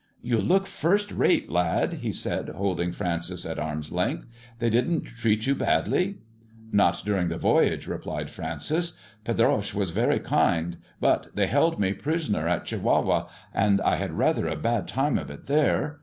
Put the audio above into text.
" You look first rate, lad," he said, holding Francis at arm's length. "They didn't treat you badly." " Not during the voyage," replied Francis. " Pedroche was very kind, but they held me prisoner at Chihuahua, and I had rather a bad time of it there.